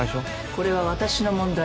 これは私の問題。